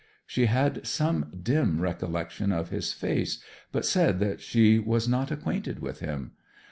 She had some dim recollection of his face, but said that she was not acquainted with him.